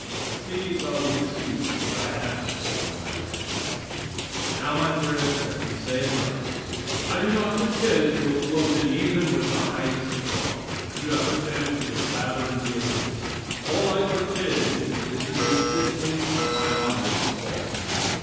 These are the excuses I have for my race. Now, my friends, let me say another thing. I do not pretend to have floated even with the heights of thought; I do not pretend to have fathomed the abyss. All I pretend is to give simply my honest thought.